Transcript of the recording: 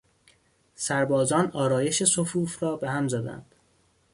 سربازان آرایش صفوف را به هم زدند.